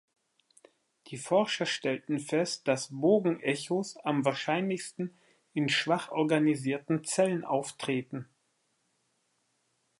Die Forscher stellten fest, dass Bogenechos am wahrscheinlichsten in schwach organisierten Zellen auftreten.